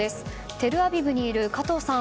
テルアビブにいる加藤さん